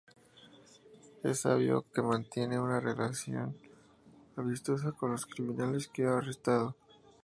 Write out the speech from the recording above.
Es sabido que mantiene una relación amistosa con los criminales que ha arrestado.